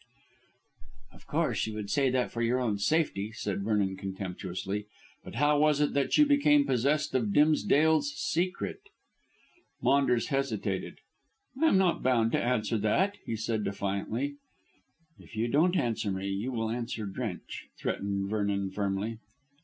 "Of course, you would say that for your own safety," said Vernon contemptuously; "but how was it that you became possessed of Dimsdale's secret?" Maunders hesitated. "I am not bound to answer that," he said defiantly. "If you don't answer me you will answer Drench," threatened Vernon firmly.